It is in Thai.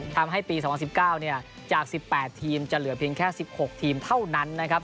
ทำให้ปี๒๐๑๙จาก๑๘ทีมจะเหลือเพียงแค่๑๖ทีมเท่านั้นนะครับ